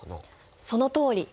そのとおり。